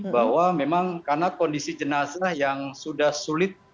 bahwa memang karena kondisi jenazah yang sudah sulit